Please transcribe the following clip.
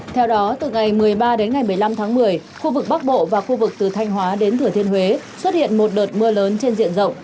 theo đó từ ngày một mươi ba đến ngày một mươi năm tháng một mươi khu vực bắc bộ và khu vực từ thanh hóa đến thửa thiên huế xuất hiện một đợt mưa lớn trên diện rộng